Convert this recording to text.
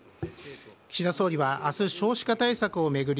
岸田総理はあす少子化対策を巡り